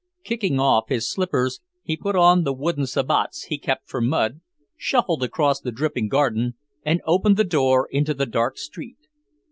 Kicking off his slippers, he put on the wooden sabots he kept for mud, shuffled across the dripping garden, and opened the door into the dark street.